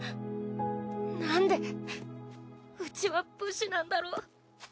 なんでうちは武士なんだろう。